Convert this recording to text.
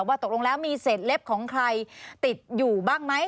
ตกลงแล้วมีเศษเล็บของใครติดอยู่บ้างไหม